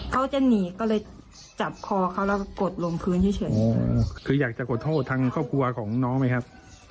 เขาจะหนีก็เลยจับคอเขาแล้วกดลงพื้นเฉยคืออยากจะกดโทษทางครอบครัวของน้องไหมครับ